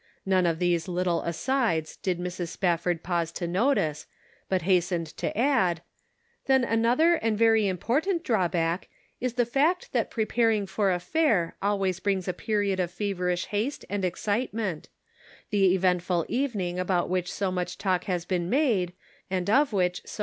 None of these little asides did Mrs. Spafford pause to notice, but hastened to add: " Then another and very important draw back, is the fact that preparing for a fair alwa}'s brings a period of feverish haste and excite ment ; the eventful evening about which so much talk has been made, and of which so Measuring Character.